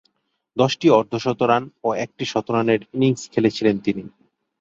দশটি অর্ধ-শতরান ও একটি শতরানের ইনিংস খেলেছিলেন তিনি।